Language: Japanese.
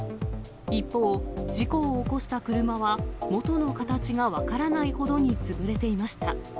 一方、事故を起こした車は、元の形が分からないほどに潰れていました。